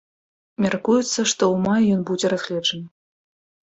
Мяркуецца, што ў маі ён будзе разгледжаны.